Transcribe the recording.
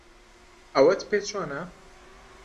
ئەوەت پێ چۆنە؟